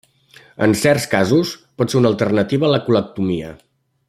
En certs casos, pot ser una alternativa a la colectomia.